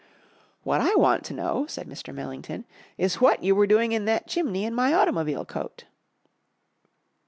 "What I want to know," said Mr. Millington, "is what you were doing in that chimney in my automobile coat?"